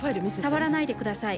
触らないでください。